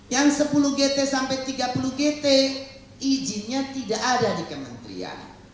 yang sepuluh gt sampai tiga puluh gt izinnya tidak ada di kementerian